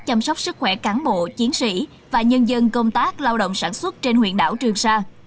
chăm sóc sức khỏe cán bộ chiến sĩ và nhân dân công tác lao động sản xuất trên huyện đảo trường sa